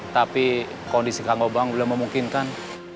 tapi kondisi kang obang belum memungkinkan